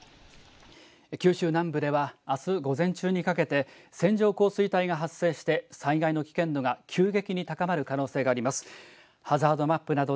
九州南部ではあす午前中にかけて線状降水帯が発生して災害の危険度が急激に高まる可能性があります。